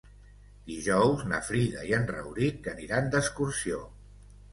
Dijous na Frida i en Rauric aniran d'excursió.